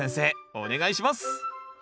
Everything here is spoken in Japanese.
お願いします